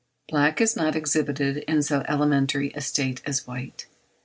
Black is not exhibited in so elementary a state as white.